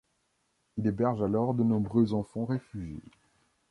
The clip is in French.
Il héberge alors de nombreux enfants réfugiés.